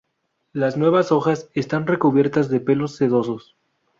Las nuevas hojas están recubiertas de pelos sedosos.